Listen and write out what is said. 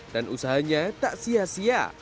dan usahanya tak sia sia